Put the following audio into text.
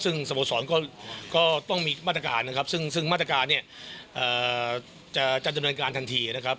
ซึ่งสโมสรก็ต้องมีมาตรการนะครับซึ่งมาตรการเนี่ยจะจัดดำเนินการทันทีนะครับ